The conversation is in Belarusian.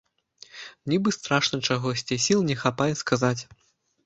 Нібы страшна чагосьці, сіл не хапае сказаць.